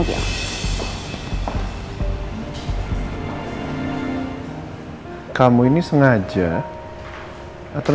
dia selalu yang file sesuai